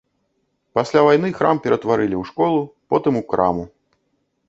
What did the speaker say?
Пасля вайны храм ператварылі ў школу, потым у краму.